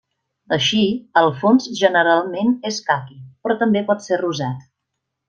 Així, el fons generalment és caqui, però també pot ser rosat.